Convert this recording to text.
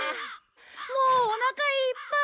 もうお腹いっぱい！